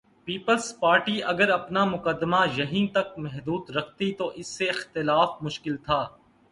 Peoples Party اگر اپنا مقدمہ یہیں تک محدود رکھتی تو اس سے اختلاف مشکل تھا۔